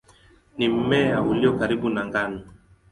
Ni mmea ulio karibu na ngano.